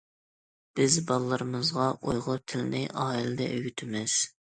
بىز بالىلىرىمىزغا ئۇيغۇر تىلىنى ئائىلىدە ئۈگۈتىمىز.